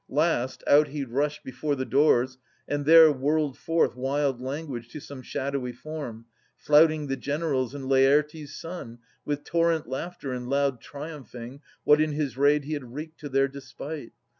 Last, out he rushed before the doors, and there Whirled forth wild language to some shadowy form, Flouting the generals and Laertes' son With torrent laughter and loud triumphing What in his raid he had wreaked to their despite.